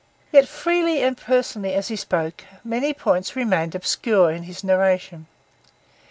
Yet freely and personally as he spoke, many points remained obscure in his narration.